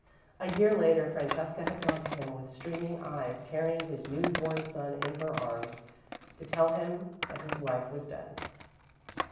A year later Francesca had gone to him with streaming eyes, carrying his new born son in her arms, to tell him that his wife was dead.